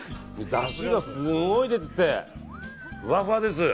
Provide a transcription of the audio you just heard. だしがすごい出ててふわふわです。